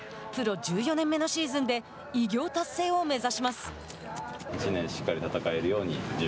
１４年目のシーズンで偉業達成を目指します。